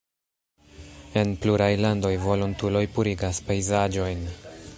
En pluraj landoj volontuloj purigas pejzaĝojn.